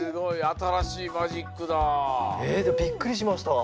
あたらしいマジックだ。えびっくりしました。